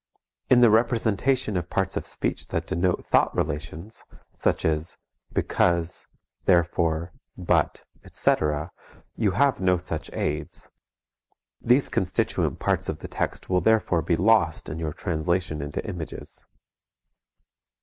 In the representation of parts of speech that denote thought relations, such as because, therefore, but, etc., you have no such aids; these constituent parts of the text will therefore be lost in your translation into images.